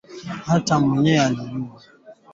Matangazo hayo yaliongezewa dakika nyingine thelathini